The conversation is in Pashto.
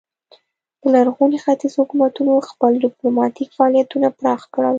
د لرغوني ختیځ حکومتونو خپل ډیپلوماتیک فعالیتونه پراخ کړل